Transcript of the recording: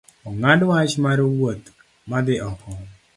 Ong’ad wach mar wuoth madhi oko